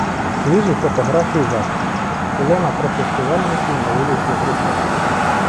Свіжі фотографії з акції: Колона протестувальників на вулиці Грушевського....